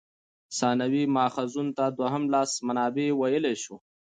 ثانوي ماخذونو ته دوهم لاس منابع ویلای سو.